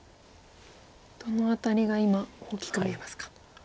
どの辺りが今大きく見えますか？